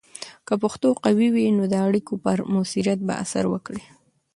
که پښتو قوي وي، نو د اړیکو پر مؤثریت به اثر وکړي.